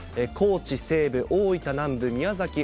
高知西部、大分南部、宮崎